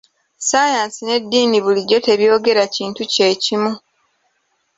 Saayansi n'eddiini bulijjo tebyogera kintu kye kimu.